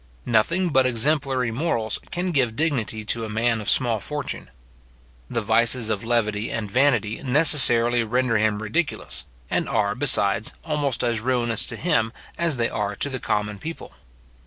Nothing but exemplary morals can give dignity to a man of small fortune. The vices of levity and vanity necessarily render him ridiculous, and are, besides, almost as ruinous to him as they are to the common people.